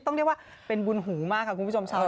ต้องเรียกว่าเป็นบุญหูมากค่ะคุณผู้ชม